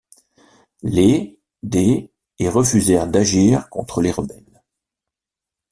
Les des et refusèrent d'agir contre les rebelles.